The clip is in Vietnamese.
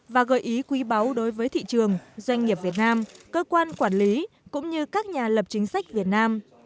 và gợi ý quý báu đối với thị trường doanh nghiệp việt nam cơ quan quản lý cũng như các nhà lập chính sách việt nam